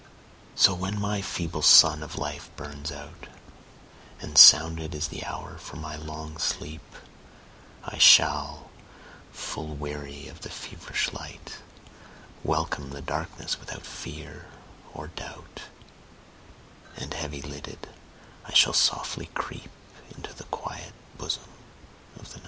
So when my feeble sun of life burns out, And sounded is the hour for my long sleep,I shall, full weary of the feverish light, Welcome the darkness without fear or doubt, And heavy lidded, I shall softly creepInto the quiet bosom of the Night.